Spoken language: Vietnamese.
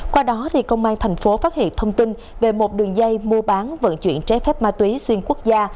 qua đó công an thành phố phát hiện thông tin về một đường dây mua bán vận chuyển trái phép ma túy xuyên quốc gia